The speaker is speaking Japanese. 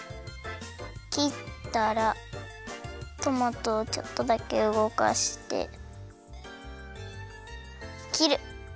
トマトをちょっとだけうごかしてきる！